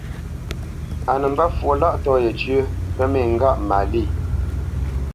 A nə́ mbə́ fwo lâʼtɔ̂ yécyə pə́ mê ngâʼ Malî.